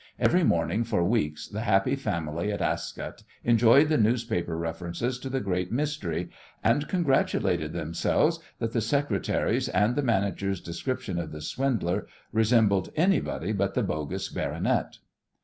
Every morning for weeks the happy family at Ascot enjoyed the newspaper references to the great mystery, and congratulated themselves that the secretary's and the manager's descriptions of the swindler resembled anybody but the bogus "baronet."